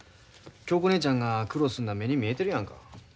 恭子姉ちゃんが苦労すんのは目に見えてるやんか。